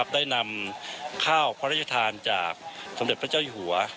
ได้นำข้าวพระราชทานจากสมเด็จพระเจ้าอยู่หัว